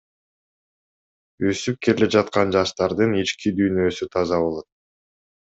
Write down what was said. Өсүп келе жаткан жаштардын ички дүйнөсү таза болот.